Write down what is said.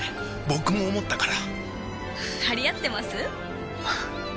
僕も思ったから張り合ってます？